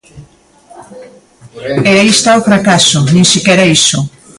E aí está o fracaso, nin sequera iso.